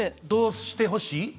どうしてほしい？